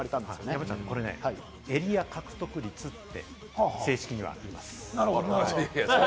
山ちゃん、これね、エリア獲得率って正式には言います。